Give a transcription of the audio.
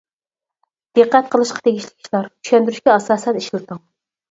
دىققەت قىلىشقا تېگىشلىك ئىشلار: چۈشەندۈرۈشكە ئاساسەن ئىشلىتىڭ.